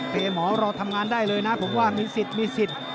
แต่หมอรอทำงานได้เลยนะผมว่ามีสิทธิ์มีสิทธิ์